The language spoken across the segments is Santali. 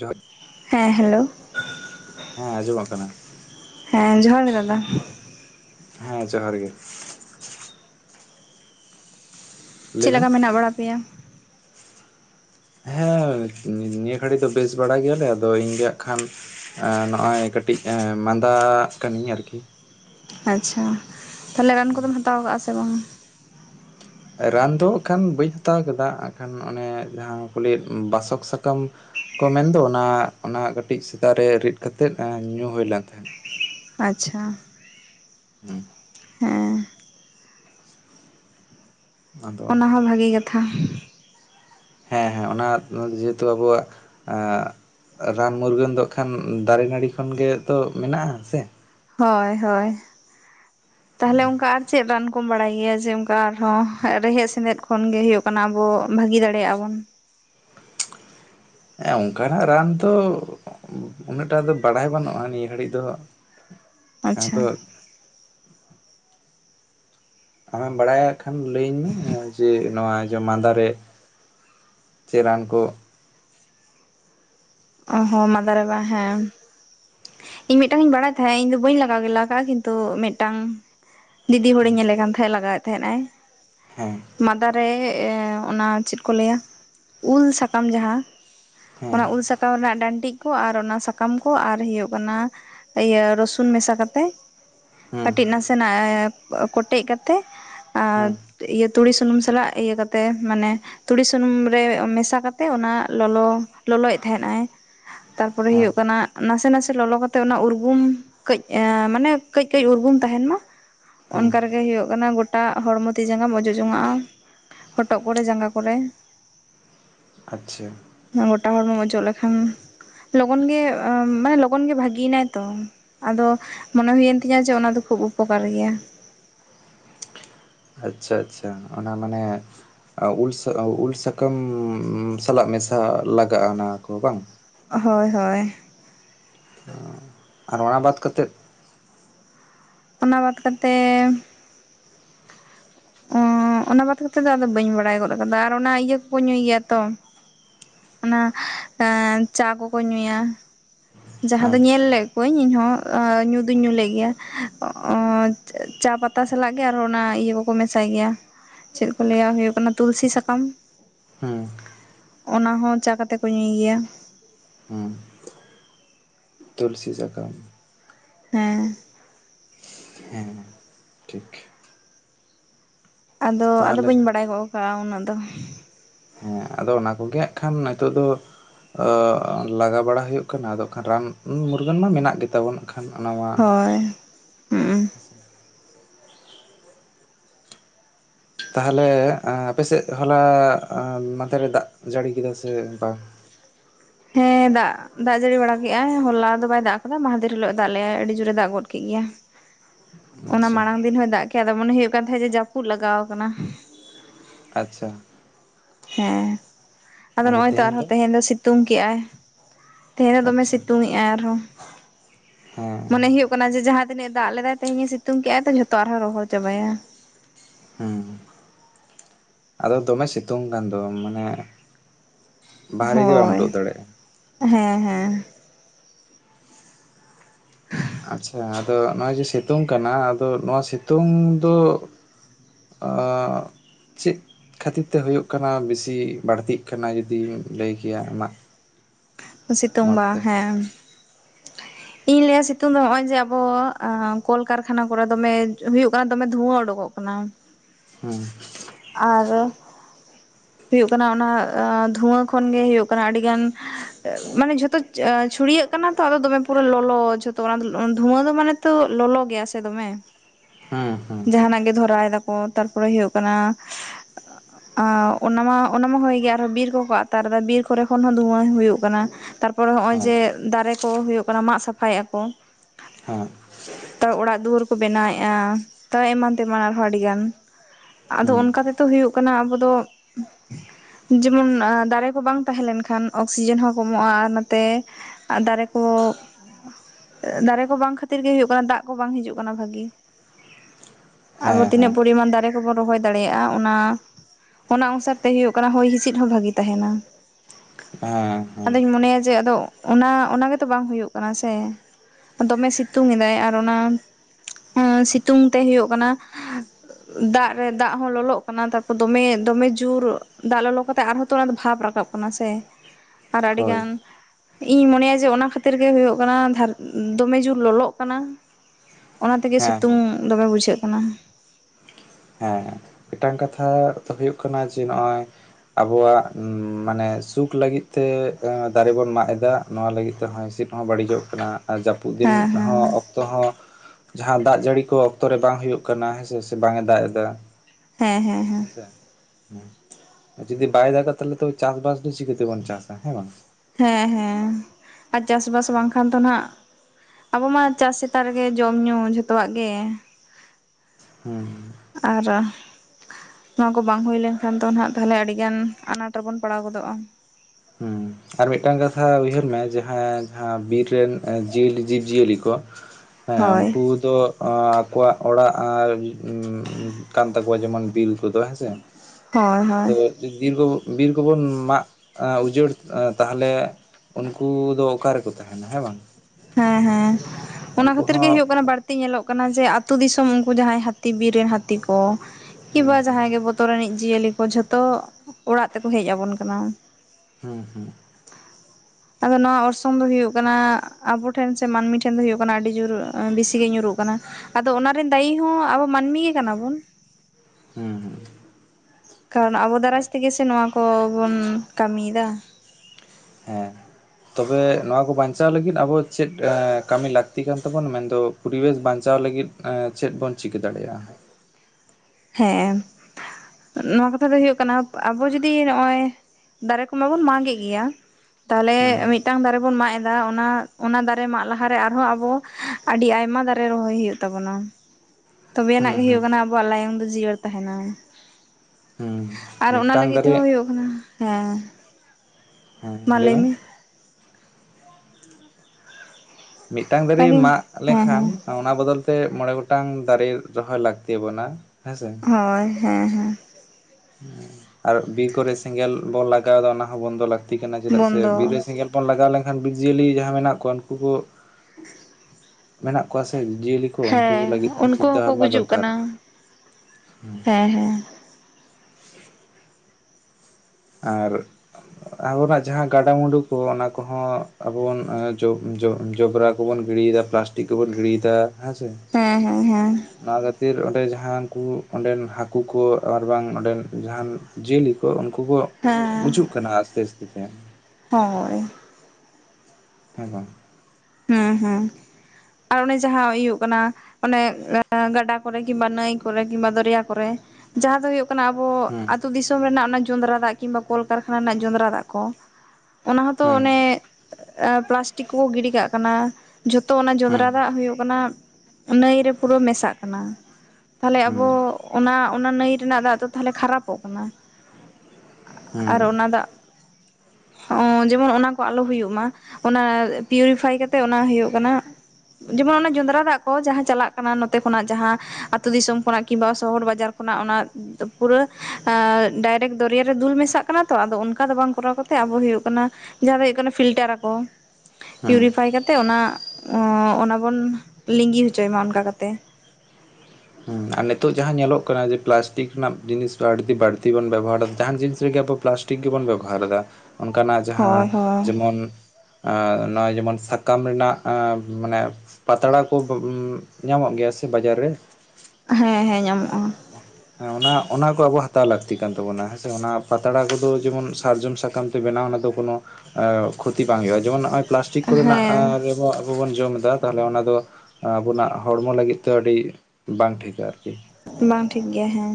ᱡᱚᱦᱚᱡ ᱦᱮᱸ ᱦᱮᱞᱳ ᱦᱮᱸ ᱟᱸᱡᱚᱢᱚᱜ ᱠᱟᱱᱟ᱾ ᱦᱮᱸ ᱡᱚᱦᱟᱨ ᱜᱮ ᱫᱟᱫᱟ᱾ ᱦᱮᱸ ᱡᱚᱦᱟᱨ ᱜᱮ᱾ ᱪᱮᱫ ᱞᱟᱹᱭ ᱢᱮ ᱞᱮᱠᱟ ᱢᱮᱱᱟᱜ ᱵᱟᱲᱟ ᱯᱮᱭᱟ? ᱦᱮᱸ ᱱᱤ ᱱᱤᱭᱟᱹ ᱜᱷᱟᱹᱲᱤᱡ ᱫᱚ ᱵᱮᱥ ᱵᱟᱲᱟ ᱜᱮᱭᱟᱞᱮ ᱟᱫᱚ ᱤᱧᱜᱮ ᱦᱟᱸᱜ ᱠᱷᱟᱱ ᱱᱚᱜᱼᱚᱭ ᱠᱟᱹᱴᱤᱡ ᱢᱟᱸᱫᱟᱜ ᱠᱟᱹᱱᱟᱹᱧ ᱟᱨᱠᱤ᱾ ᱟᱪᱪᱷᱟ ᱛᱟᱦᱚᱞᱮ ᱨᱟᱱ ᱠᱚᱫᱚᱢ ᱦᱟᱛᱟᱣ ᱟᱠᱟᱫᱼᱟ ᱥᱮ ᱵᱟᱝᱼᱟ? ᱨᱟᱱ ᱫᱚ ᱟᱠᱷᱟᱱ ᱵᱟᱹᱧ ᱦᱟᱛᱟᱣ ᱠᱟᱰᱟ ᱟᱠᱷᱟᱱ ᱚᱱᱮ ᱡᱟᱦᱟᱸ ᱠᱚ ᱞᱟᱹᱭ ᱵᱟᱥᱚᱠ ᱥᱟᱠᱟᱢ ᱠᱚ ᱢᱮᱱᱫᱚ ᱚᱱᱟ ᱚᱱᱟ ᱠᱟᱹᱴᱤᱡ ᱥᱮᱛᱟᱜ ᱨᱮ ᱨᱤᱫ ᱠᱟᱛᱮᱫ ᱧᱩ ᱦᱩᱭᱞᱱ ᱛᱟᱦᱮᱸᱫ᱾ ᱟᱪᱪᱷᱟ᱾ ᱦᱩᱸ᱾ ᱦᱮᱸ᱾ ᱟᱫᱚ ᱚᱱᱟ ᱦᱚᱸ ᱵᱷᱟᱜᱤ ᱠᱟᱛᱷᱟ᱾ ᱦᱮᱸ ᱦᱮᱸ ᱚᱱᱟ ᱡᱮᱦᱮᱛᱩ ᱟᱵᱚᱣᱟᱜ ᱮ ᱨᱟᱱ ᱢᱩᱨᱜᱟᱹᱱ ᱫᱚ ᱮᱠᱷᱟᱱ ᱫᱟᱨᱮ ᱱᱟᱹᱲᱤ ᱠᱷᱚᱱ ᱜᱮ ᱛᱚ ᱢᱮᱱᱟᱜᱼᱟ ᱥᱮ? ᱦᱳᱭ ᱦᱳᱭ ᱛᱟᱦᱚᱞᱮ ᱚᱱᱠᱟ ᱟᱨ ᱪᱮᱫ ᱨᱟᱱ ᱠᱚᱢ ᱵᱟᱲᱟᱭ ᱜᱮᱭᱟ ᱡᱮ ᱚᱱᱠᱟ ᱟᱨᱦᱚᱸ ᱨᱮᱦᱮᱫ ᱥᱮᱸᱮᱫ ᱠᱷᱚᱱ ᱜᱮ ᱦᱳᱭᱜ ᱠᱟᱱᱟ ᱟᱵᱚ ᱵᱷᱟᱜᱤ ᱫᱟᱲᱮᱭᱟᱜᱼᱟ ᱵᱚᱱ᱾ ᱦᱮᱸ ᱚᱱᱠᱟᱱᱟᱜ ᱨᱟᱱ ᱛᱚ ᱩᱱᱟᱹᱜᱴᱟ ᱫᱚ ᱵᱟᱲᱟᱭ ᱵᱟᱹᱱᱩᱜᱼᱟ ᱱᱤᱭᱟᱹ ᱜᱷᱟᱹᱲᱤᱡ ᱫᱚ ᱟᱪᱪᱷᱟ ᱟᱫᱚ ᱟᱢᱮᱢ ᱵᱟᱲᱟᱭᱟᱜ ᱠᱷᱟᱱ ᱞᱟᱹᱭᱟᱹᱧ ᱢᱮ ᱡᱮ ᱱᱚᱣᱟ ᱡᱮ ᱢᱟᱫᱟᱨᱮ ᱪᱮᱫ ᱨᱟᱱ ᱠᱚ ᱚ ᱦᱚᱸ ᱢᱟᱫᱟᱨᱮ ᱵᱟ ᱦᱮᱸ ᱤᱧ ᱢᱤᱫᱴᱟᱝ ᱤᱧ ᱵᱟᱲᱟᱭ ᱛᱟᱦᱮᱸᱫ ᱤᱧ ᱫᱚ ᱵᱟᱹᱧ ᱞᱟᱜᱟᱣ ᱜᱮᱞᱟ ᱟᱠᱟᱜᱼᱟ ᱠᱤᱱᱛᱩ ᱢᱤᱫᱴᱟᱝ ᱫᱤᱫᱤ ᱦᱚᱲᱮᱧ ᱦᱮᱸ ᱧᱮᱞᱮ ᱠᱟᱱ ᱛᱟᱦᱮᱸ ᱞᱟᱜᱟᱣᱮᱫ ᱛᱟᱦᱮᱸᱱᱟᱭ᱾ ᱦᱮᱸ᱾ ᱢᱟᱸᱫᱟ ᱨᱮ ᱚᱱᱟ ᱪᱮᱫ ᱠᱚ ᱞᱟᱹᱭᱟ ᱩᱞ ᱥᱟᱠᱟᱢ ᱡᱟᱦᱟᱸ ᱦᱮᱸ ᱚᱱᱟ ᱩᱞ ᱥᱟᱠᱟᱢ ᱨᱮᱱᱟᱜ ᱰᱟᱹᱱᱴᱜ ᱠᱩ ᱟᱨ ᱚᱱᱟ ᱥᱟᱠᱟᱢ ᱠᱚ ᱟᱨ ᱦᱮᱭᱩᱜ ᱠᱟᱱᱟ ᱤᱭᱟ ᱨᱩᱥᱩᱱ ᱢᱮᱥᱟ ᱠᱟᱛᱮ ᱦᱮᱸ ᱠᱟᱹᱴᱤᱡ ᱱᱟ ᱥᱮᱱᱟᱜ ᱠᱚᱴᱮᱡ ᱠᱟᱛᱮ ᱤᱭᱟᱹ ᱛᱩᱲᱤ ᱥᱩᱱᱩᱢ ᱥᱟᱞᱟᱜ ᱤᱭᱟᱹ ᱠᱟᱛᱮ ᱢᱟᱱᱮ ᱛᱩᱲᱤ ᱥᱩᱱᱩᱢ ᱨᱮ ᱢᱮᱥᱟ ᱠᱟᱛᱮᱜ ᱚᱱᱟ ᱞᱚᱞᱳ ᱞᱚᱞᱚᱭᱮᱫ ᱛᱟᱸᱦᱮᱱᱟᱭ, ᱛᱟᱨᱯᱚᱨᱮ ᱦᱮᱸ ᱦᱩᱭᱩᱜᱳᱜ ᱠᱟᱱᱟ ᱱᱟᱥᱮ ᱱᱟᱥᱮ ᱞᱚᱞᱚ ᱠᱟᱛᱮᱜ ᱚᱱᱟ ᱩᱨᱜᱩᱢ ᱠᱟᱹᱡ ᱢᱟᱱᱮ ᱠᱟᱹᱡ ᱠᱟᱹᱡ ᱩᱨᱜᱩᱢ ᱛᱟᱸᱦᱮᱱ ᱢᱟ ᱦᱮᱸ ᱚᱱᱠᱟ ᱨᱮᱜᱮ ᱦᱳᱭᱳᱜ ᱠᱟᱱᱟ ᱜᱚ ᱴᱟᱜ ᱦᱚᱲᱢᱚ ᱛᱤ ᱡᱟᱸᱜᱟᱢ ᱚᱡᱚᱜ ᱡᱚᱝᱱᱟᱜᱼᱟ ᱦᱚᱴᱚᱜ ᱠᱚᱨᱮ ᱡᱟᱸᱜᱟ ᱠᱚᱨᱮ᱾ ᱟᱪᱪᱷᱟ᱾ ᱜᱚᱴᱟ ᱦᱚᱲᱢᱚ ᱚᱡᱚᱜ ᱞᱮᱠᱷᱟᱱ ᱞᱚᱜᱚᱱ ᱜᱮ ᱢᱟᱱᱮ ᱞᱚ ᱞᱚᱜᱚᱱ ᱜᱮ ᱵᱷᱟᱜᱤᱱᱟᱭ ᱛᱚ ᱟᱫᱚ ᱢᱚᱱᱮ ᱦᱩᱭᱮᱱ ᱛᱤᱧᱟᱹ ᱡᱮ ᱚᱱᱟ ᱫᱚ ᱠᱷᱩᱵ ᱩᱯᱚᱠᱟᱨ ᱜᱮᱭᱟ᱾ ᱟᱪᱪᱷᱟ ᱟᱪᱪᱷᱟ, ᱚᱱᱟ ᱢᱟᱱᱮ ᱟ ᱩᱞ ᱩᱞ ᱥᱟᱠᱟᱢ ᱥᱟᱞᱟᱜ ᱢᱮᱥᱟ ᱞᱟᱜᱟᱜᱼᱟ ᱚᱱᱟ ᱠᱚ ᱵᱟᱝ? ᱦᱳᱭ ᱦᱳᱭ᱾ ᱚᱸ ᱟᱨ ᱚᱱᱟ ᱵᱟᱫ ᱠᱟᱛᱮᱫ ᱚᱱᱟ ᱵᱟᱫ ᱠᱟᱛᱮᱻ ᱚᱻ ᱚᱱᱟ ᱵᱟᱫ ᱠᱟᱛᱮᱫ ᱫᱚ ᱟᱫᱚ ᱵᱟᱹᱧ ᱵᱟᱲᱟᱭ ᱜᱚᱫ ᱟᱠᱟᱫᱟ ᱟᱨ ᱚᱱᱟ ᱤᱭᱟᱹ ᱠᱚ ᱧᱩᱭ ᱜᱮᱭᱟ ᱛᱚ, ᱚᱱᱟ ᱪᱟ ᱠᱚᱠᱚ ᱧᱩᱭᱟ ᱡᱟᱦᱟᱸ ᱫᱚ ᱧᱮᱞ ᱟᱪᱪᱷᱟ ᱞᱮᱠ ᱠᱚᱣᱟᱹᱧ ᱤᱧ ᱦᱚᱸ ᱚᱸ ᱧᱩ ᱫᱩᱧ ᱧᱩ ᱞᱮᱫ ᱜᱮᱭᱟ ᱚᱸ ᱪᱟ ᱯᱟᱛᱟ ᱥᱟᱞᱟᱜ ᱜᱮ ᱟᱨᱚᱸ ᱚᱱᱟ ᱤᱭᱟᱹ ᱠᱚ ᱠᱚ ᱢᱮᱥᱟᱭ ᱜᱮᱭᱟ, ᱪᱮᱫ ᱠᱚ ᱞᱟᱹᱭᱟ ᱦᱩᱭᱩᱜ ᱠᱟᱱᱟ ᱛᱩᱞᱥᱤ ᱥᱟᱠᱟᱢ᱾ ᱦᱩᱸ᱾ ᱚᱱᱟ ᱦᱚᱸ ᱪᱟ ᱠᱟᱛᱮ ᱠᱚ ᱧᱩᱭ ᱜᱮᱭᱟ᱾ ᱦᱩᱸ᱾ ᱛᱩᱞᱥᱤ ᱥᱟᱠᱟᱢ᱾ ᱦᱮᱸ᱾ ᱦᱮᱸ ᱴᱷᱤᱠ ᱟᱫᱚ ᱟᱫᱚ ᱛᱟᱦᱚᱞᱮ ᱵᱟᱹᱧ ᱵᱟᱲᱟᱭ ᱜᱚᱫ ᱟᱠᱟᱜ ᱩᱱᱟᱹᱜ ᱫᱚ। ᱦᱮᱸ ᱟᱫᱚ ᱚᱱᱟ ᱠᱚᱜᱮ ᱦᱟᱸᱜ ᱠᱷᱟᱱ ᱱᱤᱛᱚᱜ ᱫᱚ ᱚ ᱞᱟᱜᱟᱣ ᱵᱟᱲᱟ ᱦᱩᱭᱩᱜ ᱠᱟᱱᱟ ᱟᱫᱚ ᱠᱷᱟᱱ ᱨᱟᱱ ᱢᱩᱨᱜᱟᱹᱱ ᱢᱟ ᱢᱮᱱᱟᱜ ᱜᱮᱛᱟᱵᱚᱱᱟ। ᱠᱷᱟᱱ ᱚᱱᱟᱢᱟ ᱦᱳᱭ ᱦᱚᱸ ᱛᱟᱦᱚᱞᱮ ᱟᱯᱮᱥᱮᱫ ᱦᱚᱞᱟ ᱢᱟᱫᱷᱮᱨᱮ ᱫᱟᱜ ᱡᱟᱹᱲᱤ ᱠᱮᱫᱟ ᱥᱮ ᱵᱟᱝ? ᱦᱮᱸ ᱫᱟᱜ ᱫᱟᱜ ᱡᱟᱹᱲᱤ ᱵᱟᱲᱟ ᱠᱮᱫ-ᱟᱭ ᱦᱚᱞᱟ ᱫᱚ ᱵᱟᱭ ᱫᱟᱜ ᱠᱟᱫᱟ ᱢᱟᱦᱫᱷᱮᱨ ᱦᱤᱞᱳᱜ ᱫᱟᱜ ᱞᱮᱜᱟᱭ ᱟᱹᱰᱤ ᱡᱳᱨᱮ ᱮ ᱫᱟᱜ ᱜᱚᱫ ᱠᱮᱫ ᱜᱮᱭᱟ। [unintelligible] ᱚᱱᱟ ᱢᱟᱲᱟᱝ ᱫᱤᱱ ᱦᱚᱸᱭ ᱫᱟᱜ ᱠᱮᱫᱟ ᱢᱚᱱᱮ ᱦᱩᱭᱩᱜ ᱠᱟᱱ ᱛᱟᱦᱮᱸᱫ ᱡᱮ ᱡᱟᱹᱯᱩᱫ ᱞᱟᱜᱟᱣ ᱟᱠᱟᱱᱟ। ᱟᱪᱪᱷᱟ ᱦᱮᱸ ᱟᱫᱚ ᱱᱚᱜᱼᱚᱭ ᱛᱚ ᱟᱨᱦᱚᱸ ᱛᱮᱦᱮᱧ ᱫᱚ ᱥᱤᱛᱩᱝ ᱠᱮᱜ-ᱟᱭ। ᱛᱮᱧ ᱫᱚ ᱫᱚᱢᱮ ᱟᱪᱪᱷᱟ ᱥᱤᱛᱩᱝ ᱮᱜᱼᱟᱭ ᱟᱨᱦᱚᱸ। ᱦᱮᱸ ᱢᱚᱱᱮ ᱦᱳᱭᱳᱜ ᱡᱮ ᱡᱟᱦᱟᱸ ᱛᱤᱱᱟᱹᱜ ᱫᱟᱜ ᱞᱮᱫᱟᱭ ᱛᱮᱦᱮᱧᱮ ᱥᱤᱛᱩᱝ ᱠᱮᱜᱼᱟᱭ ᱡᱷᱚᱛᱚ ᱟᱨᱦᱚᱸ ᱨᱚᱦᱚᱲ ᱪᱟᱵᱟᱭᱟ। ᱦᱩᱸ ᱟᱫᱚ ᱫᱚᱢᱮ ᱥᱤᱛᱩᱝ ᱠᱟᱱ ᱫᱚ ᱢᱟᱱᱮ ᱵᱟᱦᱨᱮ ᱜᱮ ᱵᱟᱢ ᱩᱰᱩᱠ ᱦᱳᱭ ᱫᱟᱲᱮᱭᱟᱜᱼᱟ ᱦᱮᱸ ᱦᱮᱸ ᱟᱪᱪᱷᱟ ᱟᱫᱚ ᱱᱚᱜᱼᱚᱭ ᱡᱮ ᱥᱤᱛᱩᱝ ᱠᱟᱱᱟ ᱟᱫᱚ ᱱᱚᱣᱟ ᱥᱤᱛᱩᱝ ᱫᱚ ᱟ ᱪᱮᱫ ᱠᱷᱟᱹᱛᱤᱨ ᱛᱮ ᱦᱩᱭᱩᱜ ᱠᱟᱱᱟ ᱵᱮᱥᱤ ᱵᱟᱹᱲᱛᱤᱜ ᱠᱟᱱᱟ ᱡᱩᱫᱤᱢ ᱞᱟᱹᱭ ᱠᱮᱭᱟ ᱟᱢᱟᱜ ᱥᱤᱛᱩᱝ ᱢᱚᱛ ᱵᱟ ᱛᱮ ᱦᱮᱸ [inaudible] ᱤᱧ ᱞᱟᱹᱭᱟ ᱥᱤᱛᱩᱝ ᱫᱚ ᱱᱚᱜᱼᱚᱭ ᱡᱮ ᱟᱵᱚ ᱟᱸ ᱠᱚᱞᱠᱟᱨᱠᱷᱟᱱᱟ ᱠᱚᱨᱮ ᱫᱚᱢᱮ ᱦᱩᱭᱩᱜ ᱠᱟᱱᱟ ᱫᱚᱢᱮ ᱫᱷᱩᱣᱟᱹ ᱩᱰᱩᱠᱚᱜ ᱠᱟᱱᱟ। ᱦᱩᱸ ᱟᱨ ᱦᱩᱭᱩᱜ ᱠᱟᱱᱟ ᱚᱱᱟ ᱫᱷᱩᱣᱟᱹ ᱠᱷᱚᱱᱜᱮ ᱦᱩᱭᱩᱜ ᱠᱟᱱᱟ ᱟᱹᱰᱤᱜᱟᱱ ᱢᱟᱱᱮ ᱡᱷᱚᱛᱚ ᱪᱷᱩᱲᱭᱟᱹᱜ ᱠᱟᱱᱟ ᱛᱚ ᱟᱫᱚ ᱫᱚᱢᱮ ᱯᱩᱨᱟᱹ ᱞᱚᱞᱚ ᱡᱷᱚᱛᱚ ᱫᱷᱩᱣᱟᱹ ᱫᱚ ᱢᱟᱱᱮ ᱛᱚ ᱞᱚᱞᱚ ᱜᱮᱭᱟ ᱥᱮ ᱫᱚᱢᱮ ᱦᱮᱸ ᱦᱮᱸ ᱡᱟᱦᱟᱱᱟᱜ ᱜᱮ ᱫᱷᱚᱨᱟᱭ ᱫᱟᱠᱚ ᱛᱟᱨᱯᱚᱨᱮ ᱦᱳᱭᱳᱜ ᱠᱟᱱᱟ ᱟ ᱚᱱᱟ ᱢᱟ ᱚᱱᱟ ᱢᱟ ᱦᱳᱭ ᱜᱮ ᱟᱨᱦᱚᱸ ᱵᱤᱨ ᱠᱚᱠᱚ ᱟᱛᱟᱨᱫᱟ ᱵᱤᱨ ᱠᱚᱨᱮ ᱠᱷᱚᱱ ᱦᱚᱸ ᱫᱷᱩᱣᱟᱹ ᱦᱩᱭᱩᱜ ᱠᱟᱱᱟ ᱛᱟᱨᱯᱚᱨᱮ ᱦᱮᱸ ᱱᱚᱸᱜ-ᱚᱭ ᱦᱮᱸ ᱡᱮ ᱫᱟᱨᱮ ᱠᱚ ᱦᱩᱭᱩᱜ ᱠᱟᱱᱟ ᱢᱟᱜ ᱥᱟᱯᱷᱟᱭᱮᱫ ᱟᱠᱚ ᱦᱮᱸ ᱛᱚ ᱚᱲᱟᱜ ᱫᱩᱣᱟᱹᱨ ᱠᱚ ᱵᱮᱱᱟᱣᱮᱫ-ᱟ ᱛᱟᱨ ᱮᱢᱟᱱ ᱛᱮᱢᱟᱱ ᱟᱨᱦᱚᱸ ᱟᱹᱰᱤᱜᱟᱱ ᱟᱫᱚ ᱦᱩᱸ ᱚᱱᱠᱟ ᱛᱮᱫᱚ ᱦᱩᱭᱩᱜ ᱠᱟᱱᱟ ᱟᱵᱚ ᱫᱚ ᱡᱮᱢᱚᱱ ᱟ ᱫᱟᱨᱮ ᱠᱚ ᱵᱟᱝ ᱛᱟᱦᱮᱸ ᱞᱮᱱᱠᱷᱟᱱ ᱚᱠᱥᱤᱡᱮᱱ ᱦᱚᱸ ᱠᱚᱢᱚᱜ-ᱟ ᱟᱨ ᱱᱚᱛᱮ ᱟᱨ ᱫᱟᱨᱮ ᱠᱚ ᱫᱟᱨᱮ ᱠᱚ ᱵᱟᱝ ᱠᱷᱟᱹᱛᱤᱨ ᱜᱮ ᱦᱩᱭᱩᱜ ᱠᱟᱱᱟ ᱫᱟᱜ ᱠᱚ ᱵᱟᱝ ᱦᱤᱡᱩᱜ ᱠᱟᱱᱟ ᱵᱷᱟᱜᱤ ᱟᱵᱚ ᱦᱮᱸ ᱛᱤᱱᱟᱹᱜ ᱦᱮᱸ ᱯᱚᱨᱤᱟᱱ ᱫᱟᱨᱮ ᱠᱚ ᱵᱚᱱ ᱨᱚᱦᱚᱭ ᱫᱟᱲᱮᱼᱼ ᱫᱟᱲᱮᱭᱟᱜ-ᱟ ᱚᱱᱟ ᱚᱱᱟ ᱚᱝᱥᱟᱨ ᱛᱮ ᱦᱩᱭᱩᱜ ᱠᱟᱱᱟ ᱦᱚᱭ ᱦᱤᱸᱥᱤᱫ ᱦᱚᱸ ᱵᱷᱟᱜᱤ ᱛᱟᱸᱦᱮᱱᱟ। ᱦᱮᱸ ᱦᱮᱸ ᱟᱫᱚᱧ ᱢᱚᱱᱮᱭᱟ ᱡᱮ ᱟᱫᱚ ᱚᱱᱟ ᱚᱱᱟ ᱜᱮᱛᱚ ᱵᱟᱝ ᱦᱩᱭᱩᱜ ᱠᱟᱱᱟ ᱥᱮ ᱫᱚᱢᱮ ᱥᱤᱛᱩᱝ ᱮᱫᱟᱭ ᱟᱨ ᱚᱱᱟ ᱮᱸ ᱥᱤᱛᱩᱝ ᱛᱮ ᱦᱩᱭᱩᱜ ᱠᱟᱱᱟ ᱫᱟᱜ ᱨᱮ ᱫᱟᱜ ᱦᱚᱸ ᱞᱚᱞᱚᱜ ᱠᱟᱱᱟ ᱛᱟᱨᱯᱚᱨ ᱫᱚᱢᱮ ᱫᱚᱢᱮ ᱡᱳᱨ ᱫᱟᱜ ᱞᱚᱞᱚ ᱠᱟᱛᱮᱜ ᱟᱨᱦᱚᱸ ᱛᱚ ᱚᱱᱟ ᱵᱷᱟᱵᱽ ᱨᱟᱠᱟᱵ ᱠᱟᱱᱟ ᱥᱮ ᱟᱨ ᱦᱳᱭ ᱟᱹᱰᱤᱜᱟᱱ ᱤᱧ ᱢᱚᱱᱮᱭᱟ ᱡᱮ ᱚᱱᱟ ᱠᱷᱟᱹᱛᱤᱨ ᱜᱮ ᱦᱩᱭᱩᱜ ᱠᱟᱱᱟ ᱫᱚᱢᱮ ᱡᱳᱨ ᱞᱚᱞᱚᱜ ᱠᱟᱱᱟ ᱚᱱᱟ ᱛᱮᱜᱮ ᱦᱮᱸ ᱥᱤᱛᱩᱝ ᱦᱮᱸ ᱫᱚᱢᱮ ᱵᱩᱡᱷᱟᱹᱜ ᱠᱟᱱᱟ ᱦᱮᱸ ᱢᱤᱫᱴᱟᱝ ᱠᱟᱛᱷᱟ ᱫᱚ ᱦᱩᱭᱩᱜ ᱠᱟᱱᱟ ᱡᱮ ᱱᱚᱜ-ᱚᱭᱼᱼ ᱟᱵᱚᱣᱟᱜ ᱢᱟᱱᱮ ᱥᱩᱠ ᱞᱟᱹᱜᱤᱫ ᱛᱮ ᱫᱟᱨᱮ ᱵᱚᱱ ᱢᱟᱜ ᱮᱫᱟ, ᱱᱚᱣᱟ ᱞᱟᱹᱜᱤᱫ ᱛᱮᱦᱚᱸ ᱦᱤᱸᱥᱤᱫ ᱦᱚᱸ ᱵᱟᱹᱲᱤᱡᱚᱜ ᱠᱟᱱᱟ ᱟᱨ ᱡᱟᱹᱯᱩᱫ ᱫᱤᱱ ᱦᱮᱸ ᱦᱚᱸ ᱦᱮᱸ ᱚᱠᱼᱼᱼ ᱚᱠᱛᱚ ᱦᱚᱸ ᱡᱟᱦᱟᱸ ᱫᱟᱜ ᱡᱟᱹᱲᱤ ᱠᱚ ᱚᱠᱛᱚ ᱨᱮ ᱵᱟᱝ ᱦᱩᱭᱩᱜ ᱠᱟᱱᱟ ᱦᱮᱸᱥᱮ ᱥᱮ ᱵᱟᱝ ᱮ ᱫᱟᱜ ᱮᱫᱟ ᱾ ᱦᱮᱸ ᱦᱮᱸ ᱦᱮᱸ ᱟᱪᱪᱷᱟ ᱦᱩᱸ ᱡᱩᱫᱤ ᱵᱟᱭ ᱫᱟᱜᱟ ᱛᱟᱦᱚᱞᱮ ᱛᱚ ᱪᱟᱥᱵᱟᱥ ᱫᱚ ᱪᱤᱠᱟᱹᱛᱮᱵᱚᱱ ᱪᱟᱥᱟ ᱦᱮᱸ ᱵᱟᱝ? ᱦᱮᱸ ᱦᱮᱸ ᱟᱨ ᱪᱟᱥ ᱵᱟᱥ ᱵᱟᱝᱠᱷᱟᱱ ᱫᱚ ᱱᱟᱜᱼᱼ ᱟᱵᱚ ᱢᱟ ᱪᱟᱥ ᱪᱮᱛᱟᱱ ᱨᱮᱜᱮ ᱡᱚᱢ ᱧᱩ ᱡᱷᱚᱛᱚᱣᱟᱜ ᱜᱮ, ᱦᱩᱸ ᱟᱨ [unintelligible] ᱱᱚᱣᱟ ᱠᱚ ᱵᱟᱝ ᱦᱩᱭ ᱞᱮᱱᱠᱷᱟᱱ ᱫᱚ ᱛᱟᱞᱦᱮ ᱟᱹᱰᱤ ᱜᱟᱱ ᱟᱱᱟᱴ ᱨᱮᱵᱚᱱ ᱯᱟᱲᱟᱣ ᱜᱚᱫᱚᱜ-ᱟ ᱾ ᱦᱩᱸ ᱟᱨ ᱢᱤᱫᱴᱟᱝ ᱠᱟᱛᱷᱟ ᱩᱭᱦᱟᱹᱨ ᱢᱮ ᱡᱟᱦᱟᱸ ᱡᱟᱦᱟᱸ ᱵᱤᱨ ᱨᱮᱱ ᱡᱤᱭᱟᱹᱞᱤ ᱡᱤᱵᱽᱡᱤᱭᱟᱹᱞᱤ ᱠᱚ, ᱦᱮᱸ ᱦᱳᱭ ᱩᱱᱠᱩᱼᱼ ᱫᱚ ᱟᱠᱚᱣᱟᱜ ᱚᱲᱟᱜ ᱠᱟᱱ ᱛᱟᱠᱚᱣᱟ ᱡᱮᱢᱚᱱ ᱵᱤᱞ ᱠᱚᱫᱚ ᱦᱮᱸᱥᱮ ᱾ ᱦᱚᱭ ᱦᱚᱭ ᱡᱩᱫᱤ ᱵᱤᱨ ᱠᱚ ᱵᱤᱨ ᱠᱚᱵᱚᱱ ᱢᱟᱜ ᱩᱡᱟᱹᱲᱼᱼᱼ ᱛᱟᱦᱚᱞᱮ ᱩᱱᱠᱩ ᱫᱚ ᱚᱠᱟ ᱨᱮᱠᱚ ᱛᱟᱦᱮᱱᱟ ᱦᱮᱸ ᱵᱟᱝ ᱾ ᱦᱮᱸ ᱦᱮᱸ ᱚᱱᱟ ᱠᱷᱟᱹᱛᱤᱨ ᱜᱮ ᱦᱚᱸ ᱦᱩᱭᱩᱜ ᱠᱟᱱᱟ ᱵᱟᱹᱲᱼᱼᱼ ᱛᱤ ᱧᱮᱞᱚᱜ ᱠᱟᱱᱟ ᱡᱮ ᱟᱹᱛᱩ ᱫᱤᱥᱚᱢ ᱩᱱᱠᱩ ᱡᱟᱦᱟᱸᱭ ᱦᱟᱹᱛᱤ ᱵᱤᱨ ᱨᱮᱱ ᱦᱟᱹᱛᱤ ᱠᱚ, ᱦᱩᱸ ᱠᱤᱜᱵᱟ ᱦᱩᱸ ᱡᱟᱦᱟᱸᱭ ᱜᱮ ᱵᱚ [unintelligible] ᱟᱛᱩ ᱨᱮᱱᱤᱡ ᱡᱤᱭᱟᱹᱞᱤ ᱠᱚ ᱡᱷᱚᱛᱚ ᱚᱲᱟᱜ ᱛᱮᱠᱚ ᱦᱮᱡ ᱟᱵᱚᱱ ᱠᱟᱱᱟ ᱾ ᱦᱩᱸ ᱦᱩᱸ [unintelligible] ᱟᱫᱚ ᱱᱚᱣᱟ ᱚᱨᱥᱚᱝ ᱫᱚ ᱦᱩᱭᱩᱜ ᱠᱟᱱᱟ, ᱟᱵᱚ ᱴᱷᱮᱱ ᱥᱮ ᱢᱟᱹᱱᱢᱤ ᱴᱷᱮᱱ ᱫᱚ ᱦᱩᱭᱩᱜ ᱠᱟᱱᱟ ᱟᱹᱰᱤ ᱡᱩᱨ ᱵᱮᱥᱤ ᱜᱮ ᱧᱩᱨᱩᱜ ᱠᱟᱱᱟ ᱾ ᱟᱫᱚ ᱚᱱᱟ ᱨᱮᱱ ᱫᱟᱭᱤ ᱦᱚᱸ ᱟᱵᱚ ᱢᱟᱹᱱᱢᱤ ᱜᱮ ᱠᱟᱱᱟ ᱵᱚᱱ ᱾ ᱦᱩᱸ ᱦᱩᱸ ᱠᱟᱨᱚᱱ ᱟᱵᱚ ᱫᱟᱨᱟᱭ ᱛᱮᱜᱮ ᱥᱮ ᱱᱚᱣᱟ ᱠᱚᱵᱚᱱ ᱠᱟᱹᱢᱤ ᱭᱮᱫᱟ ᱾ ᱦᱮᱸ ᱛᱚᱵᱮ ᱱᱚᱣᱟ ᱠᱚ ᱵᱟᱧᱪᱟᱣ ᱞᱟᱹᱜᱤᱫ ᱟᱵᱚ ᱪᱮᱫ ᱠᱟᱹᱢᱤ ᱞᱟᱹᱠᱛᱤ ᱠᱟᱱᱼᱼᱼ ᱛᱟᱵᱚᱱ ᱢᱮᱱᱫᱚ ᱯᱚᱨᱤᱵᱮᱥ ᱵᱟᱧᱪᱟᱣ ᱞᱟᱹᱜᱤᱫ ᱪᱮᱫ ᱵᱚᱱ ᱪᱤᱠᱟᱹ ᱫᱟᱲᱮᱭᱟᱜ-ᱟ ᱾ ᱦᱮᱸ ᱱᱚᱶᱟ ᱠᱟᱛᱷᱟ ᱫᱚ ᱦᱩᱭᱩᱜ ᱠᱟᱱᱟ ᱟᱵᱚ ᱡᱚᱫᱤ ᱱᱚᱜ-ᱚᱭᱼᱼ ᱫᱟᱨᱮ ᱠᱚᱢᱟᱵᱚᱱ ᱢᱟᱜ ᱮᱫ ᱜᱮᱭᱟ, ᱛᱟᱦᱞᱮ ᱦᱮᱸ ᱢᱤᱫᱴᱟᱝ ᱫᱟᱨᱮ ᱵᱚᱱ ᱢᱟᱜ ᱮᱼᱼᱼ ᱫᱟ ᱚᱱᱟ ᱚᱱᱟ ᱫᱟᱨᱮ ᱢᱟᱜ ᱞᱟᱦᱟᱨᱮ ᱟᱨᱦᱚᱸ ᱟᱵᱚ ᱟᱹᱰᱤ ᱟᱭᱢᱟ ᱫᱟᱨᱮ ᱨᱚᱦᱚᱭ ᱦᱩᱭᱩᱜ ᱛᱟᱵᱚᱱᱟ ᱾ [inaudible] ᱛᱚᱵᱮ ᱟᱱᱟᱜ ᱜᱮ ᱦᱩᱸ ᱦᱩᱭᱩᱜ ᱠᱟᱱᱟ ᱟᱵᱚᱣᱟᱜ ᱞᱟᱭᱚᱝ ᱫᱚ ᱡᱤᱭᱟᱹᱲ ᱛᱟᱦᱮᱱᱟ ᱦᱩᱸ ᱾ ᱟᱨ ᱚᱱᱟ ᱢᱤᱫᱴᱟᱝ ᱞᱟᱹᱜᱤᱫ ᱛᱮᱦᱚᱸ ᱫᱟᱨᱮ ᱦᱩᱭᱩᱜ ᱠᱟᱱᱟ ᱦᱮᱸ ᱦᱮᱸ ᱞᱟᱹᱭ ᱢᱮ ᱢᱤᱫᱴᱟᱝ ᱫᱟᱨᱮ ᱚᱱᱟᱜᱤᱧ ᱢᱟᱜ ᱦᱮᱸ ᱞᱮᱠᱷᱟᱱᱼᱼᱼ ᱦᱮᱸ ᱚᱱᱟ ᱵᱚᱫᱚᱞ ᱛᱮ ᱢᱚᱬᱮ ᱜᱚᱴᱟᱝ ᱫᱟᱨᱮ ᱨᱚᱦᱚᱭ ᱞᱟᱹᱠᱛᱤᱭᱟ ᱵᱚᱱᱟ ᱦᱮᱸᱥᱮ ᱾ ᱦᱚᱭ ᱦᱮᱸ ᱦᱮᱸ ᱟᱨ ᱵᱤᱨ ᱠᱚᱨᱮ ᱥᱮᱸᱜᱮᱞ ᱵᱚᱱ ᱞᱟᱜᱟᱣ ᱮᱫᱟ ᱚᱱᱟ ᱦᱚᱸ ᱵᱚᱱᱫᱚ ᱞᱟᱹᱠᱛᱤ ᱠᱟᱱᱟ ᱪᱮᱫᱟᱜ ᱥᱮ ᱵᱚᱱᱫᱚ ᱵᱤᱨ ᱨᱮ ᱥᱮᱸᱜᱮᱞᱼᱼᱼ ᱵᱚᱱ ᱞᱟᱜᱟᱣ ᱞᱮᱱᱠᱷᱟᱱ ᱡᱤᱵᱽ ᱡᱤᱭᱟᱹᱞᱤ ᱡᱟᱦᱟᱸᱭ ᱢᱮᱱᱟᱜ ᱠᱚᱣᱟ ᱩᱱᱠᱩ ᱠᱚ, ᱢᱮᱱᱟᱜ ᱠᱚᱣᱟ ᱥᱮ ᱡᱤᱭᱟᱹᱞᱤ ᱠᱚ ᱩᱱᱠᱩ ᱦᱮᱸ ᱞᱟᱹᱜᱤᱫ ᱦᱚᱸ ᱩᱱᱠᱩ ᱪᱤᱱᱛᱟᱹ ᱦᱚᱸᱠᱚ ᱵᱷᱟᱵᱱᱟ ᱜᱩᱡᱩᱜ ᱠᱟᱱᱟ ᱫᱚᱨᱠᱟᱨᱟ ᱾ ᱦᱩᱸ ᱦᱮᱸ ᱦᱮᱸ [inaudible] ᱟᱨ ᱟᱵᱚᱱᱟᱜ ᱡᱟᱦᱟᱸ ᱜᱟᱰᱟᱼᱢᱩᱰᱩ ᱠᱚ ᱚᱱᱟ ᱠᱚᱦᱚᱸ ᱟᱵᱚ ᱵᱚᱱ ᱡᱚ ᱡᱚ ᱡᱚᱵᱨᱟ ᱠᱚᱵᱚᱱ ᱜᱤᱲᱤ ᱭᱮᱫᱟ᱾ ᱯᱞᱟᱥᱴᱤᱠ ᱠᱚᱵᱚᱨ ᱜᱤᱲᱤ ᱭᱮᱫᱟ ᱦᱮᱸ ᱥᱮ ᱾ ᱦᱮᱸ ᱦᱮᱸ ᱦᱮᱸ ᱱᱚᱣᱟ ᱠᱷᱟᱹᱛᱤᱨ ᱚᱸᱰᱮ ᱡᱟᱦᱟ ᱩᱱᱠᱩ ᱚᱸᱰᱮᱱ ᱦᱟᱹᱠᱩ ᱠᱚ ᱟᱨ ᱵᱟᱝ ᱚᱸᱰᱮᱱ ᱡᱟᱦᱟᱱᱼᱼ ᱡᱤᱭᱟᱹᱞᱤ ᱠᱚ ᱩᱱᱠᱩ ᱠᱚ ᱜᱩᱡᱩᱜ ᱠᱟᱱᱟ ᱟᱥᱛᱮ ᱟᱥᱛᱮ ᱛᱮ ᱾ ᱦᱚᱭ ᱦᱮᱸ ᱵᱟᱝ ᱦᱩᱸ ᱦᱩᱸ ᱟᱨ ᱚᱱᱮ ᱡᱟᱦᱟᱸ ᱦᱩᱭᱩᱜ ᱠᱟᱱᱟᱼᱼ ᱚᱱᱮ ᱜᱟᱰᱟ ᱠᱚᱨᱮ ᱠᱤᱝᱵᱟ ᱱᱟᱹᱭ ᱠᱚᱨᱮ ᱠᱤᱝᱵᱟ ᱫᱚᱨᱭᱟ ᱠᱚᱨᱮ ᱡᱟᱦᱟᱸ ᱫᱚ ᱦᱩᱭᱩᱜ ᱠᱟᱱᱟᱼᱼ ᱠᱟᱱᱟ ᱟᱵᱚ ᱦᱮᱸ ᱟᱹᱛᱩ ᱫᱤᱥᱚᱢ ᱨᱮᱱᱟᱜ ᱡᱚᱸᱫᱽᱨᱟ ᱫᱟᱜ ᱠᱤᱝᱵᱟ ᱠᱚᱞᱠᱟᱨᱠᱷᱟᱱᱟ ᱨᱮᱱᱟᱜ ᱡᱚᱸᱫᱽᱨᱟ ᱫᱟᱜ ᱠᱚᱼᱼ ᱚᱱᱟ ᱦᱚᱸᱛᱚ ᱦᱮᱸ ᱚᱱᱮ ᱯᱞᱟᱥᱴᱤᱠ ᱠᱚᱠᱚ ᱜᱤᱰᱤ ᱠᱟᱜ ᱠᱟᱱᱟ᱾ ᱡᱷᱚᱛᱚ ᱚᱱᱟ ᱦᱮᱸ ᱡᱚᱸᱫᱽᱨᱟ ᱫᱟᱜ ᱦᱩᱭᱩᱜ ᱠᱟᱱᱟ ᱱᱟᱹᱭᱨᱮ ᱯᱩᱨᱟᱹ ᱢᱮᱥᱟᱜ ᱠᱟᱱᱟ᱾ ᱛᱟᱦᱚᱞᱮ ᱟᱵᱚ ᱦᱮᱸ ᱚᱱᱟ ᱚᱱᱟ ᱱᱟᱹᱭ ᱨᱮᱱᱟᱜ ᱫᱟᱜ ᱫᱚ ᱛᱟᱦᱚᱞᱮ ᱠᱷᱟᱨᱟᱯᱚᱜ ᱠᱟᱱᱟ᱾ ᱟᱨ ᱦᱮᱸ ᱚᱱᱟ ᱫᱟᱜᱼᱼ ᱚ ᱡᱮᱢᱚᱱ ᱚᱱᱟ ᱠᱚ ᱟᱞᱚ ᱦᱩᱭᱩᱜ ᱢᱟ ᱚᱱᱟ ᱯᱤᱭᱩᱨᱤᱯᱷᱟᱭ ᱠᱟᱛᱮᱜ ᱚᱱᱟ ᱦᱳᱭᱳᱜ ᱠᱟᱱᱟᱼᱼ ᱡᱮᱢᱚᱱ ᱚᱱᱟ ᱡᱚᱸᱫᱽᱨᱟ ᱫᱟᱜ ᱠᱚ ᱡᱟᱦᱟᱸ ᱪᱟᱞᱟᱜ ᱠᱟᱱᱟ ᱱᱚᱛᱮ ᱠᱷᱚᱱᱟᱜ ᱡᱟᱦᱟᱸ ᱟᱹᱛᱩ ᱫᱤᱥᱚᱢ ᱠᱷᱚᱱᱟᱜ ᱠᱤᱝᱵᱟ ᱥᱚᱦᱚᱨ ᱵᱟᱡᱟᱨᱼᱼ ᱚᱱᱟ ᱚᱱᱟᱼᱼ ᱯᱩᱨᱟᱹ ᱰᱟᱭᱨᱮᱠᱴ ᱫᱚᱨᱮᱭᱟᱨᱮ ᱨᱮ ᱫᱩᱞ ᱢᱮᱥᱟᱜ ᱠᱟᱱᱟ ᱛᱚ ᱟᱫᱚ ᱚᱱᱠᱟ ᱫᱚ ᱵᱟᱝ ᱠᱚᱨᱟᱣ ᱠᱟᱛᱮᱜ ᱟᱵᱚ ᱦᱩᱭᱩᱜ ᱠᱟᱱᱟᱼᱼ ᱡᱟᱦᱟᱸ ᱫᱚ ᱦᱩᱭᱩᱜ ᱠᱟᱱᱟ ᱯᱷᱤᱞᱴᱟᱨᱟᱠᱚ᱾ ᱦᱮᱸ ᱯᱤᱭᱩᱨᱤᱯᱷᱟᱭ ᱠᱟᱛᱮ ᱚᱱᱟ ᱚᱱᱟ ᱵᱚᱱ ᱞᱤᱸᱜᱤ ᱦᱚᱪᱚᱭ ᱢᱟ ᱚᱱᱠᱟ ᱠᱟᱛᱮ᱾ ᱦᱩᱸ ᱟᱨ ᱱᱤᱛᱚᱜ ᱡᱟᱦᱟᱸ ᱧᱮᱞᱚᱜ ᱠᱟᱱᱟ ᱡᱮ ᱯᱞᱟᱥᱴᱤᱠ ᱨᱮᱱᱟᱜ ᱡᱤᱱᱤᱥ ᱟᱹᱰᱤ ᱵᱟᱹᱲᱛᱤ ᱵᱚᱱ ᱵᱮᱵᱚᱦᱟᱨᱟ ᱡᱟᱦᱟᱱ ᱡᱤᱱᱤᱥ ᱨᱮᱜᱮ ᱟᱵᱚ ᱯᱞᱟᱥᱴᱤᱠᱼᱼ ᱴᱤᱠ ᱜᱮᱵᱚᱱ ᱵᱮᱵᱚᱦᱟᱨ ᱮᱫᱟ ᱚᱱᱠᱟᱱᱟᱜ ᱦᱳᱭ ᱡᱟᱦᱟᱸ ᱦᱳᱭ ᱡᱮᱢᱚᱱᱼᱼ ᱱᱚᱜᱼᱚᱭ ᱡᱮᱢᱚᱱ ᱥᱟᱠᱟᱢ ᱨᱮᱱᱟᱜ ᱢᱟᱱᱮᱼᱼ ᱯᱟᱛᱲᱟ ᱠᱚ ᱧᱟᱢᱚᱜ ᱜᱮᱭᱟ ᱥᱮ ᱵᱟᱡᱟᱨ ᱨᱮ ᱦᱮᱸ ᱦᱮᱸ ᱧᱟᱢᱚᱜᱼᱟ᱾ ᱚ [inaudible] ᱦᱮᱸ ᱚᱱᱟ ᱚᱱᱟ ᱠᱚ ᱟᱵᱚ ᱦᱟᱛᱟᱣ ᱞᱟᱹᱠᱛᱤ ᱠᱟᱱ ᱛᱟᱵᱚᱱᱟ ᱦᱮᱸᱥᱮ ᱚᱱᱟ ᱯᱟᱛᱲᱟ ᱠᱚᱫᱚ ᱡᱮᱢᱚᱱ ᱥᱟᱨᱡᱚᱢ ᱥᱟᱠᱟᱢ᱾ ᱥᱮ ᱵᱮᱱᱟᱣ ᱚᱱᱟ ᱫᱚ ᱠᱳᱱᱚ ᱠᱷᱚᱛᱤ ᱵᱟᱝ ᱦᱩᱭᱩᱜᱼᱟ ᱡᱮᱢᱚᱱ ᱱᱚᱜᱼᱚᱭ ᱯᱞᱟᱥᱴᱤᱠ ᱠᱚᱨᱮᱱᱟᱜ ᱦᱮᱸ ᱨᱮᱵᱚᱼᱼ ᱟᱵᱚ ᱵᱚᱱ ᱡᱚᱢ ᱮᱫᱟ ᱛᱟᱦᱚᱞᱮ ᱚᱱᱟ ᱫᱚ ᱟᱵᱚᱱᱟᱜ ᱦᱚᱲᱢᱚ ᱞᱟᱹᱜᱤᱫ ᱛᱮ ᱟᱹᱰᱤ ᱵᱟᱝ ᱴᱷᱤᱠᱟ ᱟᱨᱠᱤ᱾ ᱵᱟᱝ ᱴᱷᱤᱠ ᱜᱮᱭᱟ ᱦᱮᱸ᱾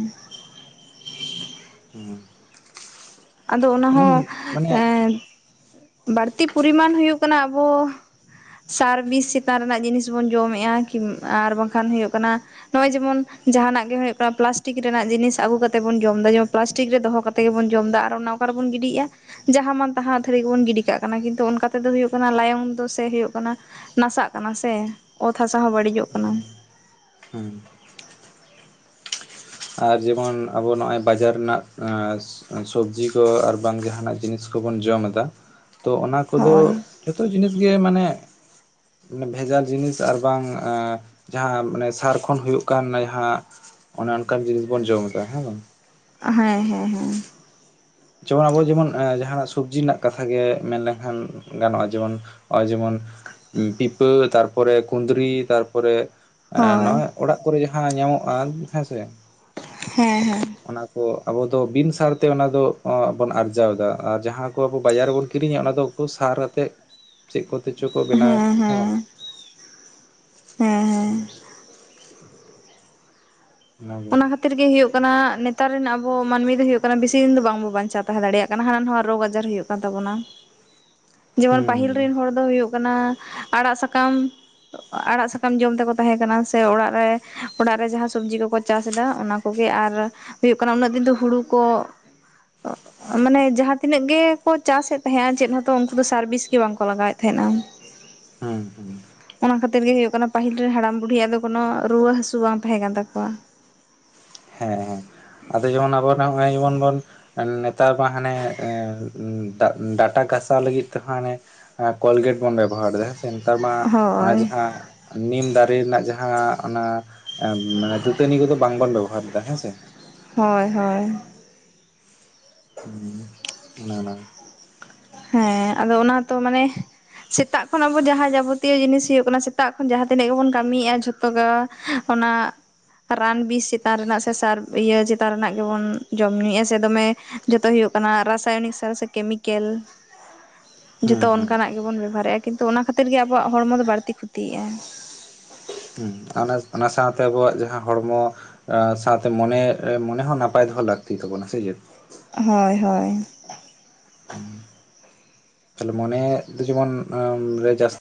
ᱦᱩᱸ ᱟᱫᱚ ᱚᱱᱟᱦᱚᱸ ᱵᱟᱹᱲᱛᱤ ᱯᱚᱨᱤᱢᱟᱱ ᱦᱩᱭᱩᱜ ᱠᱟᱱᱟ ᱟᱵᱚᱼᱼ ᱥᱟᱨᱵᱤᱥ ᱪᱮᱛᱟᱱ ᱨᱮᱱᱟᱜ ᱡᱤᱱᱤᱥ ᱵᱚᱱ ᱡᱚᱢᱮᱫᱼᱟᱠᱤ ᱟᱨ ᱵᱟᱝᱠᱷᱟᱱ ᱦᱩᱭᱩᱜ ᱠᱟᱱᱟᱼᱼ ᱱᱚᱜᱼᱚᱭ ᱡᱮᱢᱚᱱ ᱡᱟᱦᱟᱱᱟᱜ ᱜᱮ ᱦᱩᱭᱩᱜ ᱠᱟᱱᱟ ᱯᱞᱟᱥᱴᱤᱠ ᱨᱮᱱᱟᱜ ᱡᱤᱱᱤᱥ ᱟᱹᱜᱩ ᱠᱟᱛᱮᱜ ᱵᱚᱱ ᱡᱚᱢ ᱮᱫᱟ ᱡᱮᱢᱚᱱ ᱯᱞᱟᱥᱴᱤᱠ ᱨᱮ ᱫᱚᱦᱚ ᱠᱟᱛᱮᱫᱼᱼ ᱛᱮᱜᱮ ᱵᱚᱱ ᱡᱚᱢ ᱫᱟ ᱟᱨ ᱚᱱᱟ ᱚᱠᱟᱨ ᱨᱮᱵᱚᱱ ᱜᱤᱰᱤᱜᱼᱟᱼᱼ ᱡᱟᱦᱟᱸ ᱢᱟᱱ ᱛᱟᱦᱟᱸ ᱟᱹᱛᱷᱟᱹᱲᱤ ᱜᱮᱵᱚᱱ ᱜᱤᱰᱤ ᱠᱟᱜ ᱠᱟᱱᱟ ᱠᱤᱱᱛᱩ ᱚᱱᱠᱟ ᱛᱮᱫᱚ ᱦᱩᱭᱩᱜ ᱠᱟᱱᱟ ᱞᱟᱭᱚᱝ ᱫᱚ ᱥᱮ ᱦᱳᱭᱳᱜ ᱠᱟᱱᱟᱼᱼ ᱱᱟᱥᱟᱜ ᱠᱟᱱᱟ ᱥᱮ ᱚᱛ ᱦᱟᱥᱟ ᱦᱚᱸ ᱵᱟᱹᱲᱤᱡᱚᱜ ᱠᱟᱱᱟ᱾ ᱦᱩᱸ ᱦᱩᱸ ᱟᱨ ᱡᱮᱢᱚᱱ ᱟᱵᱚ ᱱᱚᱜ-ᱚᱭ ᱵᱟᱡᱟᱨ ᱨᱮᱱᱟᱜ ᱼᱼ ᱥᱚᱵᱽᱡᱤ ᱠᱚ ᱟᱨ ᱵᱟᱝ ᱡᱟᱦᱟᱱᱟᱜ ᱡᱤᱱᱤᱥ ᱠᱚᱵᱚᱱ ᱡᱚᱢ ᱫᱟ ᱛᱚ ᱚᱱᱟ ᱠᱚᱫᱚ ᱦᱳᱭ ᱼᱼ ᱡᱚᱛᱚ ᱡᱤᱱᱤᱥ ᱜᱮ ᱢᱟᱱᱮ ᱼᱼ ᱵᱷᱮᱡᱟᱞ ᱡᱤᱱᱤᱥ ᱟᱨ ᱵᱟᱝ ᱡᱟᱦᱟᱸ ᱢᱟᱱᱮ ᱥᱟᱨ ᱠᱷᱚᱱ ᱦᱩᱭᱩᱜ ᱠᱟᱱ ᱡᱟᱦᱟᱸ ᱼᱼ ᱚᱱᱮ ᱚᱱᱠᱟᱱ ᱡᱤᱱᱤᱥ ᱵᱚᱱ ᱡᱚᱢ ᱮᱫᱟ ᱦᱮᱸ ᱵᱟᱝ? ᱦᱮᱸ ᱦᱮᱸ ᱦᱮᱸ ᱾ ᱡᱮᱢᱚᱱ ᱟᱵᱚ ᱡᱮᱢᱚᱱ ᱡᱟᱦᱟ ᱱᱟᱜ ᱥᱚᱵᱽᱡᱤ ᱨᱮᱱᱟᱜ ᱠᱟᱛᱷᱟᱜ ᱜᱮ ᱢᱮᱱ ᱞᱮᱠᱷᱟᱱ ᱜᱟᱱᱚᱜ-ᱟ ᱡᱮᱢᱚᱱ ᱼᱼ ᱚᱭ ᱡᱮᱢᱚᱱ ᱯᱤᱯᱟᱹ ᱛᱟᱨᱯᱚᱨᱮ ᱠᱩᱸᱫᱽᱨᱤ ᱛᱟᱨᱯᱚᱨᱮ ᱼᱼ ᱦᱳᱭ ᱱᱚᱜ-ᱚᱭ ᱚᱲᱟᱜ ᱠᱚᱨᱮ ᱡᱟᱦᱟᱸ ᱧᱟᱢᱚᱜ-ᱟ ᱦᱮᱸᱥᱮᱼᱼ ᱦᱮᱸ ᱦᱮᱸ ᱚᱱᱟ ᱠᱚ ᱟᱵᱚ ᱫᱚ ᱵᱤᱱ ᱥᱟᱨᱛᱮ ᱚᱱᱟ ᱫᱚ ᱼᱼ ᱵᱚᱱ ᱟᱨᱡᱟᱣ ᱮᱫᱟ ᱟᱨ ᱡᱟᱦᱟᱸ ᱠᱚ ᱟᱵᱚ ᱵᱟᱡᱟᱨ ᱨᱮᱵᱚᱱ ᱠᱤᱨᱤᱧᱟ ᱚᱱᱟ ᱫᱚ ᱩᱱᱠᱩ ᱥᱟᱨ ᱟᱛᱮᱫ ᱼᱼ ᱪᱮᱫ ᱠᱚᱛᱮ ᱪᱚ ᱠᱚ ᱵᱮᱱᱟᱣᱮᱫ ᱦᱮᱸ ᱵᱟᱝ? ᱦᱮᱸ ᱚᱱᱟᱜᱮ ᱚᱱᱟ ᱠᱷᱟᱹᱛᱤᱨ ᱜᱮ ᱦᱩᱭᱩᱜ ᱠᱟᱱᱟ ᱱᱮᱛᱟᱨ ᱨᱮᱱ ᱟᱵᱚ ᱢᱟᱹᱱᱢᱤ ᱫᱚ ᱦᱩᱭᱩᱜ ᱠᱟᱱᱟ ᱵᱮᱥᱤ ᱫᱤᱱ ᱫᱚ ᱵᱟᱝᱵᱚ ᱵᱟᱧᱪᱟᱣ ᱛᱟᱦᱮᱸ ᱫᱟᱲᱮᱭᱟᱜ ᱠᱟᱱᱟ ᱦᱟᱱᱟ ᱱᱚᱣᱟ ᱨᱳᱜᱽ ᱟᱡᱟᱨ ᱦᱩᱭᱩᱜ ᱠᱟᱱᱟ ᱾ ᱠᱟᱱ ᱛᱟᱵᱚᱱᱟ᱾ [inaudible] ᱡᱮᱢᱚᱱ ᱯᱟᱹᱦᱤᱞ ᱨᱮᱱ ᱦᱚᱲ ᱫᱚ ᱦᱩᱭᱩᱜ ᱠᱟᱱᱟ ᱟᱲᱟᱜ ᱥᱟᱠᱟᱢ ᱼᱼ ᱟᱲᱟᱜ ᱥᱟᱠᱟᱢ ᱡᱚᱢ ᱛᱮᱠᱚ ᱛᱟᱦᱮᱸᱠᱟᱱᱟ ᱥᱮ ᱚᱲᱟᱜ ᱨᱮ ᱚᱲᱟᱜ ᱨᱮ ᱡᱟᱦᱟᱸ ᱥᱚᱵᱽᱡᱤ ᱠᱚᱠᱚ ᱼᱼ ᱪᱟᱥ ᱮᱫᱟ ᱚᱱᱟ ᱠᱚᱜᱮ ᱟᱨ ᱦᱩᱭᱩᱜ ᱠᱟᱱᱟ ᱩᱱᱟᱹᱜ ᱫᱤᱱ ᱫᱚ ᱦᱩᱲᱩ ᱠᱚ ᱼᱼ [inaudible] ᱢᱟᱱᱮ ᱡᱟᱦᱟᱸ ᱛᱤᱱᱟᱹᱜ ᱜᱮ ᱠᱚ ᱪᱟᱥᱮᱫ ᱛᱟᱦᱮᱸᱭᱟ ᱪᱮᱫ ᱦᱚᱸᱛᱚ ᱩᱱᱠᱩ ᱫᱚ ᱥᱟᱨ ᱵᱤᱥ ᱜᱮ ᱵᱟᱝ ᱠᱚ ᱞᱟᱜᱟᱣᱮᱫ ᱛᱟᱦᱮᱸᱱᱟ ᱾ ᱦᱮᱸ ᱚᱱᱟ ᱠᱷᱟᱹᱛᱤᱨ ᱜᱮ ᱦᱳᱭᱳᱜ ᱠᱟᱱᱟ ᱯᱟᱹᱦᱤᱞ ᱨᱮᱱ ᱦᱟᱲᱟᱢ ᱵᱩᱰᱷᱤᱭᱟᱜ ᱫᱚ ᱠᱚᱱᱳ ᱨᱩᱣᱟᱹ ᱦᱟᱥᱩ ᱵᱟᱝ ᱛᱟᱦᱮᱸ ᱠᱟᱱ ᱛᱟᱠᱚᱣᱟ᱾ ᱦᱮᱸᱻ ᱟᱫᱚ ᱡᱮᱢᱚᱱ ᱟᱵᱚ ᱱᱚᱜ-ᱚᱭ ᱡᱮᱢᱚᱱ ᱵᱚᱱ ᱱᱮᱛᱟᱨ ᱢᱟ ᱦᱟᱱᱮ ᱰᱟᱴᱟ ᱜᱷᱟᱥᱟᱣ ᱞᱟᱹᱜᱤᱫ ᱛᱮᱦᱚᱸ ᱦᱟᱱᱮ ᱦᱮᱸ ᱠᱳᱞᱜᱮᱴ ᱵᱚᱱ ᱵᱮᱵᱚᱦᱟᱨ ᱮᱫᱟ᱾ ᱱᱮᱛᱟᱨ ᱢᱟ ᱚᱱᱟ ᱦᱳᱭ ᱡᱟᱦᱟᱸ, ᱱᱤᱢ ᱫᱟᱨᱮ ᱨᱮᱱᱟᱜ ᱡᱟᱦᱟᱸ ᱚᱱᱟ ᱼᱼ ᱢᱟᱱᱮ ᱫᱟᱹᱛᱟᱹᱱᱤ ᱠᱚᱫᱚ ᱵᱟᱝ ᱵᱚᱱ ᱵᱮᱵᱚᱦᱟᱨ ᱮᱫᱟ ᱦᱮᱸ ᱥᱮ᱾ ᱦᱳᱭ ᱦᱳᱭ᱾ ᱱᱟᱱᱟ [unintelligible] ᱦᱮᱸ ᱟᱫᱚ ᱚᱱᱟ ᱛᱚ ᱢᱟᱱᱮ ᱥᱮᱛᱟᱜ ᱠᱷᱚᱱ ᱟᱵᱚ ᱡᱟᱦᱟᱸ ᱡᱟᱵᱚᱛᱤᱭᱚ ᱡᱤᱱᱤᱥ ᱦᱩᱭᱩᱜ ᱠᱟᱱᱟ, ᱥᱮᱛᱟᱜ ᱠᱷᱚᱱ ᱡᱟᱦᱟᱸ ᱛᱤᱱᱟᱹᱜ ᱜᱮᱵᱚᱱ ᱠᱟᱹᱢᱤᱭᱮᱜ-ᱟ ᱡᱷᱚᱛᱚ ᱜᱮ ᱚᱱᱟ ᱨᱟᱱ ᱵᱤᱥ ᱪᱮᱛᱟᱱ ᱨᱮᱱᱟᱜ ᱥᱮ ᱥᱟᱨ ᱤᱭᱟᱹ ᱪᱮᱛᱟᱱ ᱨᱮᱱᱟᱜ ᱜᱮᱵᱚᱱ ᱡᱚᱢ ᱧᱩᱭᱮᱜ-ᱟ ᱥᱮ ᱫᱚᱢᱮ ᱾ ᱡᱷᱚᱛᱚ ᱦᱩᱭᱩᱜ ᱠᱟᱱᱟ ᱨᱟᱥᱟᱭᱚᱱᱤᱠ ᱥᱟᱨ ᱥᱮ ᱠᱮᱢᱤᱠᱮᱞ ᱾ ᱡᱚᱛᱚ ᱦᱩᱸ ᱦᱩᱸ ᱚᱱᱠᱟ ᱱᱟᱜ ᱜᱮᱵᱚᱱ ᱵᱮᱵᱚᱦᱟᱨᱮᱫ-ᱟ ᱠᱤᱱᱛᱩ ᱚᱱᱟ ᱠᱷᱟᱹᱛᱤᱨ ᱜᱮ ᱟᱵᱚᱣᱟᱜ ᱦᱚᱲᱢᱚ ᱫᱚ ᱵᱟᱹᱲᱛᱤ ᱠᱷᱩᱛᱤᱭᱮᱜ-ᱟᱭ ᱾ ᱦᱩᱸ ᱚᱱᱟ ᱥᱟᱶᱛᱮ ᱟᱵᱚᱣᱟᱜ ᱡᱟᱦᱟᱸ ᱦᱚᱲᱢᱚ ᱟᱨ ᱥᱟᱶᱛᱮ ᱢᱚᱱᱮ, ᱢᱚᱱᱮ ᱦᱚᱸ ᱱᱟᱯᱟᱭ ᱫᱚᱦᱚ ᱞᱟᱹᱠᱛᱤ ᱛᱟᱵᱚᱱᱟ ᱥᱮ ᱪᱮᱫ? ᱦᱳᱭ ᱦᱳᱭ ᱛᱟᱦᱚᱞᱮ ᱢᱚᱱᱮ ᱫᱚ ᱡᱮᱢᱚᱱ ᱨᱮ ᱡᱟᱥᱛᱤ